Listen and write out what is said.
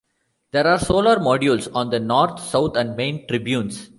There are solar modules on the north, south, and main tribunes.